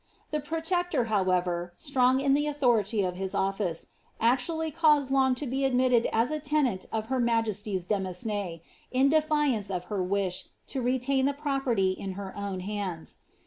^' The protector, however, strong in the authority of his office, actually cause^ Long to be admitted as a tenant of her majesty's demesne, in defiance of her wish to riEftain the property in her own hands.